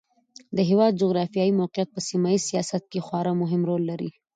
د هېواد جغرافیایي موقعیت په سیمه ییز سیاست کې خورا مهم رول لري.